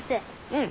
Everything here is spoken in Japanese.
うん。